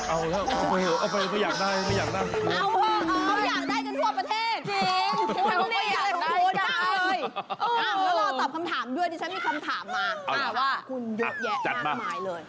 คุณหยุดแยะจะมากเลย